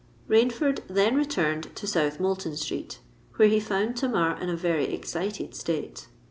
Rainford then returned to South Moulton Street, where he found Tamar in a very excited state.